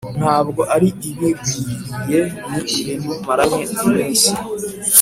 ntabwo ari ibigwiririye ni ibintu maranye iminsi”